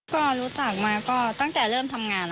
ก็รู้จักมาก็ตั้งแต่เริ่มทำงาน